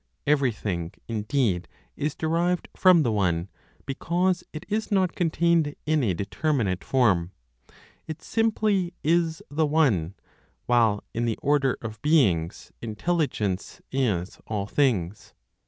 Everything indeed is derived from the One, because it is not contained in a determinate form; it simply is the One, while in the order of beings Intelligence is all things.